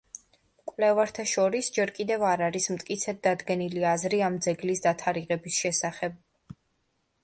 მკვლევართა შორის ჯერ კიდევ არ არის მტკიცედ დადგენილი აზრი ამ ძეგლის დათარიღების შესახებ.